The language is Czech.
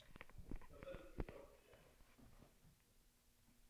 Železná panna je také název heavymetalové skupiny Iron Maiden.